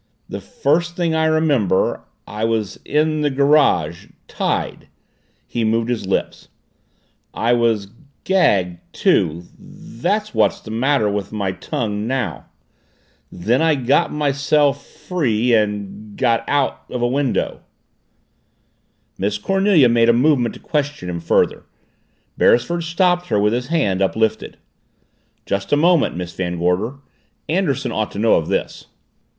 "The first thing I remember I was in the garage tied." He moved his lips. "I was gagged too that's what's the matter with my tongue now Then I got myself free and got out of a window " Miss Cornelia made a movement to question him further. Beresford stopped her with his hand uplifted. "Just a moment, Miss Van Gorder. Anderson ought to know of this."